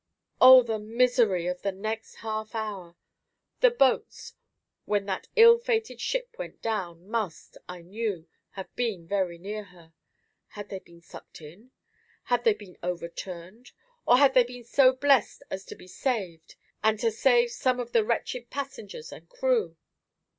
Oh! the misery of the next half hour! The boats, when that ill fated ship went down, must, I knew, have been very near her. Had they been sucked in? Had they been overturned, or had they been so blessed as to be saved, and to save some of the wretched passengers and crew?